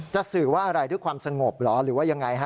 สื่อว่าอะไรด้วยความสงบเหรอหรือว่ายังไงฮะ